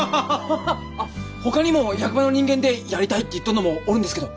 ほかにも役場の人間でやりたいって言っとんのもおるんですけど。